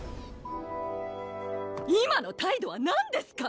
今の態度は何ですか？